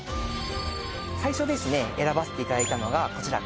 最初選ばせていただいたのがこちら